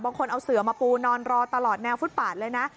เอาเสือมาปูนอนรอตลอดแนวฟุตปาดเลยนะ